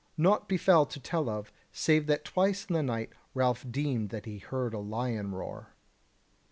Naught befell to tell of, save that twice in the night Ralph deemed that he heard a lion roar.